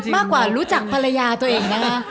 มากกว่ารู้จักภรรยาตัวเองนะคะ